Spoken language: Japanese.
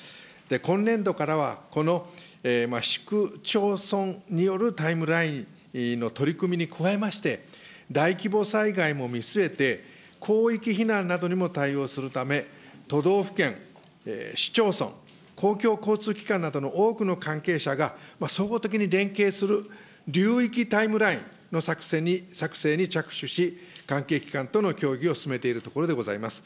今年度からはこの市区町村によるタイムラインの取り組みに加えまして、大規模災害も見据えて、広域避難などにも対応するため、都道府県、市町村、公共交通機関などの多くの関係者が総合的に連携する流域タイムラインの作成に着手し、関係機関との協議を進めているところでございます。